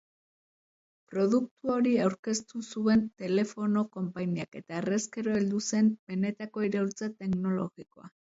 Produktu hori aurkeztu zuen telefono-konpainiak, eta horrezkero heldu zen benetako iraultza teknologikoa.